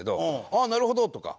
「あーなるほど」とか。